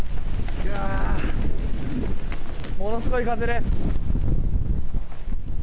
ものすごい風です。